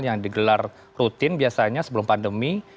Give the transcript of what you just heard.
yang digelar rutin biasanya sebelum pandemi